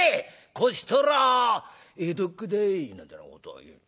こちとら江戸っ子だい」なんてなことを言う。